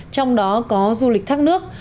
trong đó có du lịch thác nước